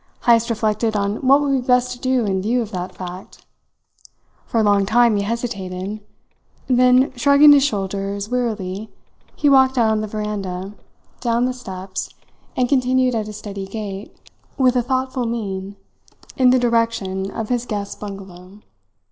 Heyst reflected on what would be best to do in view of that fact. For a long time he hesitated; then, shrugging his shoulders wearily, he walked out on the veranda, down the steps, and continued at a steady gait, with a thoughtful mien, in the direction of his guests' bungalow.